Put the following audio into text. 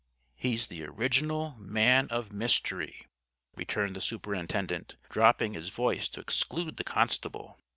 "He's the original Man of Mystery," returned the Superintendent, dropping his voice to exclude the constable.